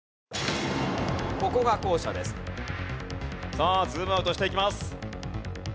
さあズームアウトしていきます。